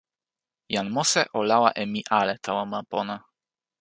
jan Mose o lawa e mi ale tawa ma pona.